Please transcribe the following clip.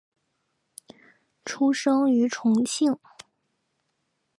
出生于重庆。